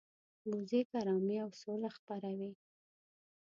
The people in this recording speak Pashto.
موزیک آرامي او سوله خپروي.